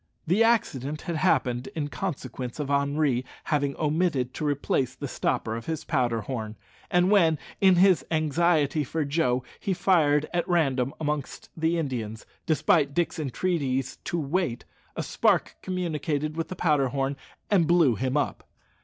The accident had happened in consequence of Henri having omitted to replace the stopper of his powder horn, and when, in his anxiety for Joe, he fired at random amongst the Indians, despite Dick's entreaties to wait, a spark communicated with the powder horn and blew him up.